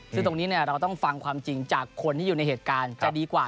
ซึ่งตรงนี้เราต้องฟังความจริงจากคนที่อยู่ในเหตุการณ์จะดีกว่า